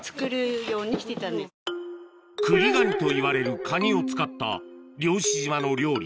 クリガニといわれるカニを使った漁師島の料理